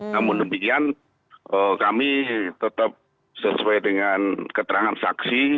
namun demikian kami tetap sesuai dengan keterangan saksi